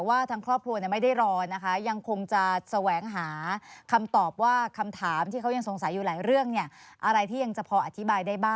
น่าจะเป็นการจัดฉากมากกว่าครับ